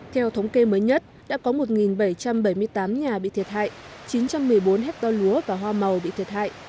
theo thống kê mới nhất đã có một bảy trăm bảy mươi tám nhà bị thiệt hại chín trăm một mươi bốn hectare lúa và hoa màu bị thiệt hại